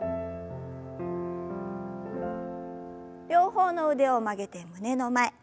両方の腕を曲げて胸の前。